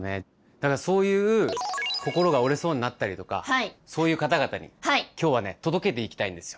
だからそういう心が折れそうになったりとかそういう方々に今日はね届けていきたいんですよ。